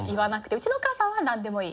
うちのお母さんはなんでもいい。